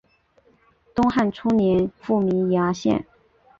东汉初年复名衙县。